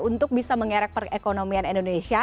untuk bisa mengerek perekonomian indonesia